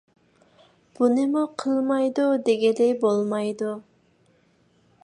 بۇنىمۇ قىلمايدۇ دېگىلى بولمايدۇ.